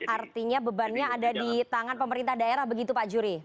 artinya bebannya ada di tangan pemerintah daerah begitu pak juri